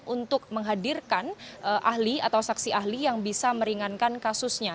untuk menghadirkan ahli atau saksi ahli yang bisa meringankan kasusnya